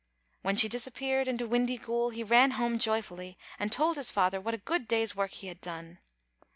When she disappeared into Windyghoul he ran home joyfully, and told his father what a good day'd work he had done.